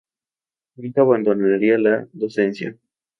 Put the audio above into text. Nunca abandonaría la docencia.